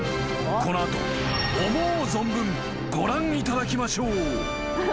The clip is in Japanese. ［この後思う存分ご覧いただきましょう］